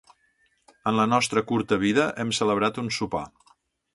En la nostra curta vida, hem celebrat un sopar.